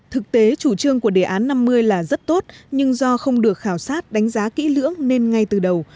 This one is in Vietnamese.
thực tế chủ trương của đề án năm mươi là rất tốt nhưng do không được khảo sát đánh giá kỹ lưỡng nên ngay từ đầu